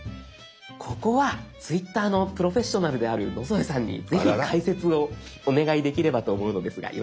ここはＴｗｉｔｔｅｒのプロフェッショナルである野添さんにぜひ解説をお願いできればと思うのですがよろしいでしょうか？